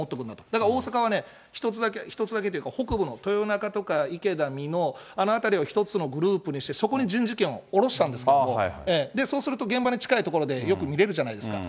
だから大阪はね、一つだけというか、北部の豊中とか、池田、みの、あの辺りを１つのグループにして、そこに人事権を下ろしたんですけども、そうすると現場に近い所でよく見れるじゃないですか。